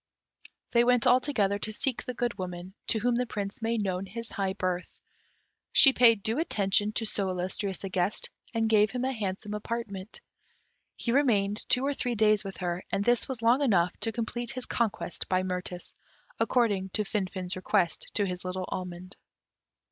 They went all together to seek the Good Woman, to whom the Prince made known his high birth. She paid due attention to so illustrious a guest, and gave him a handsome apartment. He remained two or three days with her, and this was long enough to complete his conquest by Mirtis, according to Finfin's request to his little almond.